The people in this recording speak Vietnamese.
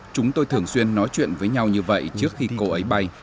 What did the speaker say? chúng tôi thường xuyên nói chuyện với nhau như vậy trước khi cô ấy bay